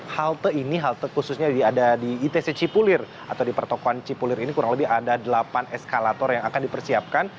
halte ini halte khususnya ada di itc cipulir atau di pertokohan cipulir ini kurang lebih ada delapan eskalator yang akan dipersiapkan